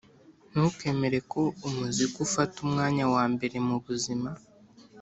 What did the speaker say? Ntukemere ko umuzika ufata umwanya wa mbere mu buzima